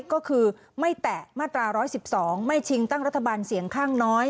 ก็คือไม่แตะมาตรา๑๑๒ไม่ชิงตั้งรัฐบาลเสียงข้างน้อย